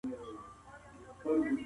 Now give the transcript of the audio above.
ښه اخلاق دوستي زياتوي